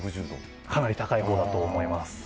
かなり高いほうだと思います。